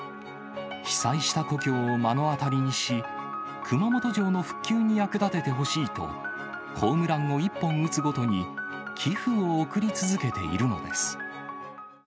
被災した故郷を目の当たりにし、熊本城の復旧に役立ててほしいと、ホームランを１本打つごとに寄付を送り続けているのです。